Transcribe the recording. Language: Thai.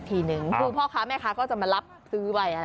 คือพ่อคะแม่คะก็จะมารับซื้อไปนั่นล่ะ